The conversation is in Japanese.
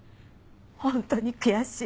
本当に悔しい！